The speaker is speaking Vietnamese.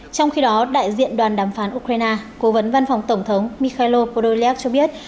trong khi đó đại diện đoàn đàm phán ukraine cố vấn văn phòng tổng thống mikhailo podollev cho biết